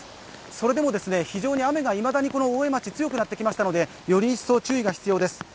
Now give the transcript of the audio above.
それでも非常に雨がいまだにこの大江町強くなってきましたのでより一層注意が必要です。